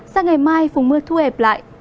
sao ngày mai phùng mưa thu hẹp lại